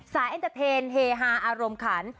เอ็นเตอร์เทนเฮฮาอารมณ์ขัน